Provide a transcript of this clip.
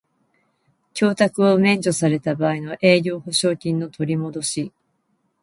供託を免除された場合の営業保証金の取りもどし